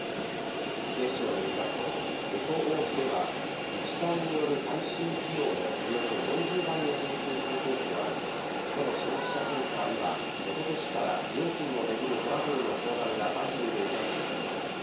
警視庁によりますとエコ王子では自治体による回収費用のおよそ４０倍を請求するケースもあり都の消費者センターにはおととしから料金を巡るトラブルの相談が相次いでいたということです。